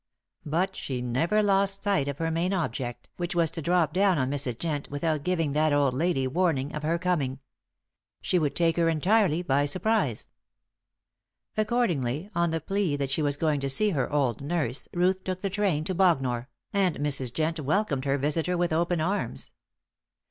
But she never lost sight of her main object, which was to drop down on Mrs. Jent without giving that old lady warning of her coming. She would take her entirely by surprise. Accordingly, on the plea that she was going to see her old nurse, Ruth took the train to Bognor, and Mrs. Jent welcomed her visitor with open arms.